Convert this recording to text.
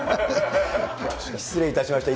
失礼いたしました。